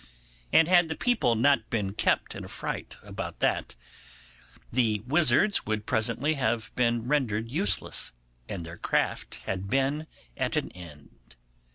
And had the people not been kept in a fright about that, the wizards would presently have been rendered useless, and their craft had been at an end.